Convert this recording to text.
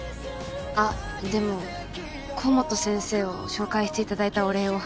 あっでも甲本先生を紹介していただいたお礼を。